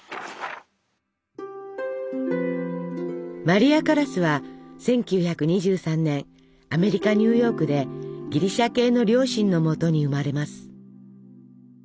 マリア・カラスは１９２３年アメリカニューヨークでギリシャ系両親のもとに生まれます。